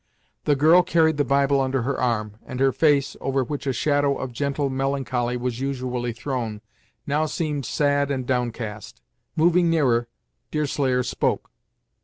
The girl carried the Bible under her arm, and her face, over which a shadow of gentle melancholy was usually thrown, now seemed sad and downcast. Moving nearer, Deerslayer spoke.